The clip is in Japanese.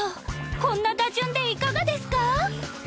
こんな打順でいかがですか？